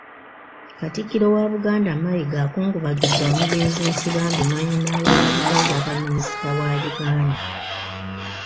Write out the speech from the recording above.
Katikkiro wa Buganda, Mayiga, akungubagidde omugenzi Nsibambi, mwannyina w'eyaliko Ssaabaminisita wa Uganda.